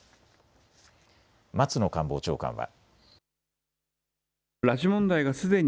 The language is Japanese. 松野官房長官は。